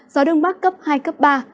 gió đông bắc cấp hai ba